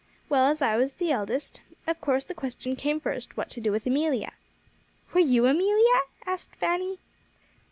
Well, as I was the eldest, of course the question came first, what to do with Amelia." "Were you Amelia?" asked Fanny.